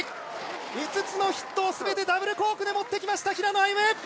５つのヒットをすべてダブルコークでもってきました、平野歩夢。